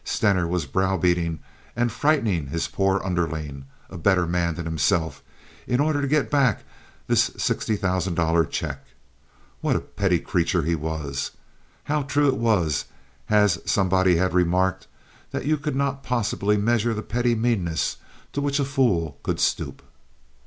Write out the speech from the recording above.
Stener was browbeating and frightening his poor underling, a better man than himself, in order to get back this sixty thousand dollar check. What a petty creature he was! How true it was, as somebody had remarked, that you could not possibly measure the petty meannesses to which a fool could stoop!